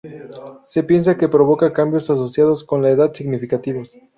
Se piensa que provoca cambios asociados con la edad significativos.